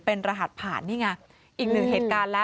เป็นรหัสผ่านนี่ไงอีกหนึ่งเหตุการณ์แล้ว